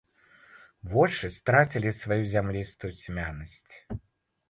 Вочы страцілі сваю зямлістую цьмянасць.